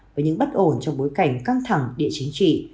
với những bất ổn trong bối cảnh căng thẳng địa chính trị